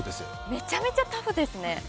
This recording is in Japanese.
めちゃめちゃタフですね。